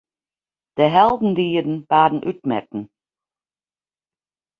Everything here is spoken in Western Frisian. De heldendieden waarden útmetten.